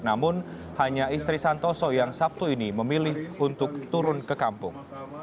namun hanya istri santoso yang sabtu ini memilih untuk turun ke kampung